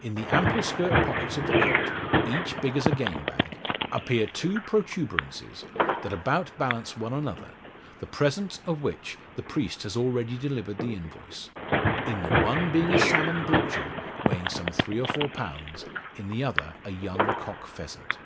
In the ample skirt pockets of the coat each big as a game bag appear two protuberances, that about balance one another the present of which the priest has already delivered the invoice in the one being a salmon "blotcher" weighing some three or four pounds, in the other a young cock pheasant.